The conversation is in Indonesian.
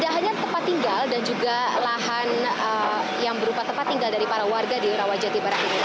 tidak hanya tempat tinggal dan juga lahan yang berupa tempat tinggal dari para warga di rawajati barat ini